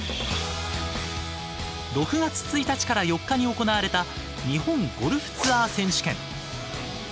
６月１日から４日に行われた「日本ゴルフツアー選手権」。